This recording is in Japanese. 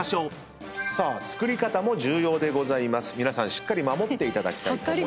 しっかり守っていただきたいと思います。